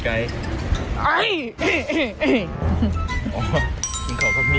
เกียงกับไม่